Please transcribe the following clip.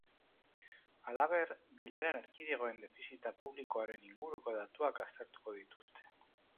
Halaber, bileran erkidegoen defizita publikoaren inguruko datuak aztertuko dituzte.